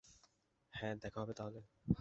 হ্যাঁ, দেখা হবে তাহলে।